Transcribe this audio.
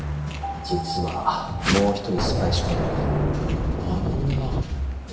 実はもう一人スパイ仕込んでんだけどあの女。